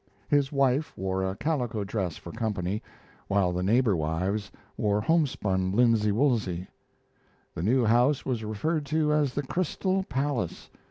His wife wore a calico dress for company, while the neighbor wives wore homespun linsey woolsey. The new house was referred to as the Crystal Palace.